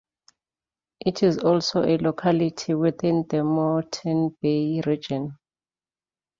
It is also a locality within the Moreton Bay Region.